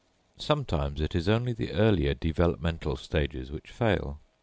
Sometimes it is only the earlier developmental stages which fail.